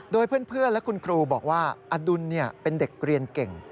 โดยเพื่อนและคุณครูบอกว่าอดุลเป็นเด็กเรียนเก่ง